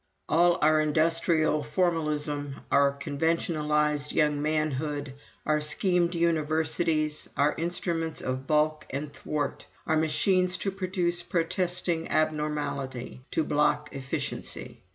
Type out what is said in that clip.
All our industrial formalism, our conventionalized young manhood, our schematized universities, are instruments of balk and thwart, are machines to produce protesting abnormality, to block efficiency.